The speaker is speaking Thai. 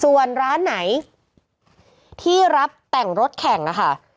ส่วนร้านไหนที่รับแต่งรถแข่งนะคะ